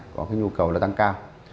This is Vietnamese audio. có cái nhu cầu là tăng cao